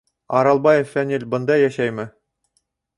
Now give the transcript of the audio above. — Аралбаев Фәнил бында йәшәйме?